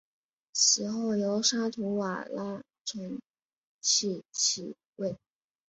死后由沙图瓦拉承袭其位。